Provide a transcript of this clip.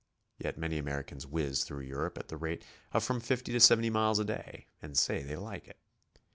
Yet many Ameri cans whizz through Europe at the rate of from 50 to 70 miles a day, and say they like it.